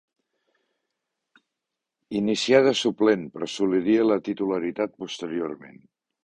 Inicia de suplent, però assoliria la titularitat posteriorment.